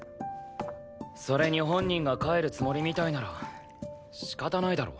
それに本人が帰るつもりみたいなら仕方ないだろ。